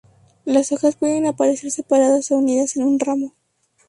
Las hojas pueden aparecer separadas o unidas en un ramo.